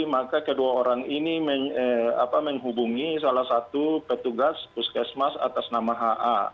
maka kedua orang ini menghubungi salah satu petugas puskesmas atas nama ha